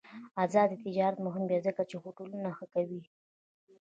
آزاد تجارت مهم دی ځکه چې هوټلونه ښه کوي.